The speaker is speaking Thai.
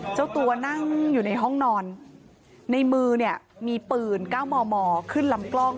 เจ้าตัวนั่งอยู่ในห้องนอนในมือเนี่ยมีปืน๙มมขึ้นลำกล้อง